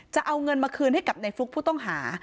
จะเอาเงินมาคืนให้กับในฟลุ๊กผู้ต้องหา